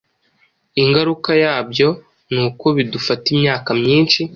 Ingaruka yabyo ni uko bidufata imyaka myinshi